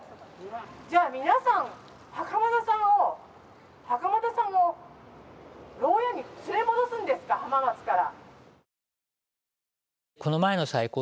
じゃあ皆さん、袴田さんをろう屋に連れ戻すんですか、浜松から。